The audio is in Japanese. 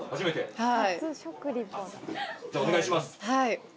はい。